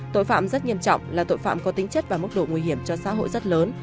tội phạm rất nghiêm trọng là tội phạm có tính chất và mức độ nguy hiểm cho xã hội rất lớn